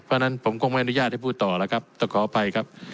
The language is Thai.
เพราะฉะนั้นผมคงไม่อนุญาตให้พูดต่อแล้วครับแต่ขออภัยครับ